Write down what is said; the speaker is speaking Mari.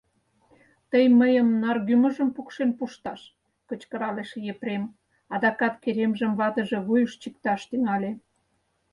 — Тый мыйым наргӱмыжым пукшен пушташ! — кычкыралеш Епрем, адакат керемжым ватыже вуйыш чикташ тӱҥале.